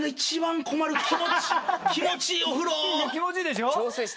気持ちいいでしょ。